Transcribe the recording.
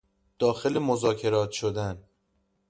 داخل مذاکرات شدن